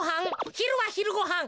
ひるはひるごはん。